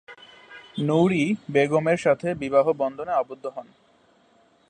নুর-ই বেগমের সাথে বিবাহ বন্ধনে আবদ্ধ হন।